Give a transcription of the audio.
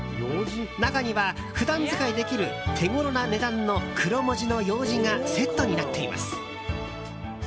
中には普段使いできる手ごろな値段のクロモジのようじがセットになっています。